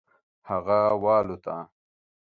هغه والوته.